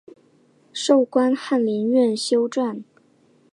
授官翰林院修撰。